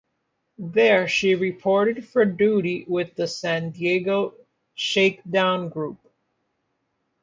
There she reported for duty with the San Diego Shakedown Group.